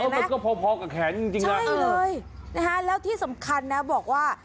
มันก็พอพอกับแขนจริงจริงฮะใช่เลยนะฮะแล้วที่สำคัญนะบอกว่า